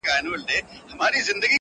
يو وايي جنايت بل وايي شرم,